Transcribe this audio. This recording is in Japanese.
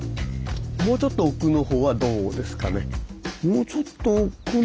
もうちょっと奥のほうはどうですかね？